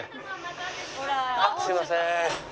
あっすいません。